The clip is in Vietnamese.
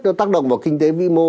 nó tác động vào kinh tế vĩ mô